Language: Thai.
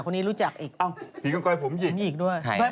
คนนี้รู้จักภีร์กองก้อยผมหยิมา